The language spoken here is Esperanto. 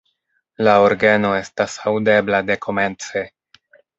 La orgeno estas aŭdebla dekomence.